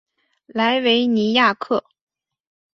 莱维尼亚克。